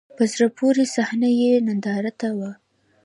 په زړه پورې صحنه یې نندارې ته و.